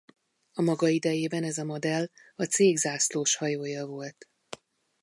A maga idejében ez a modell a cég zászlóshajója volt.